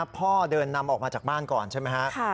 พ่อเดินนำออกมาจากบ้านก่อนใช่ไหมฮะ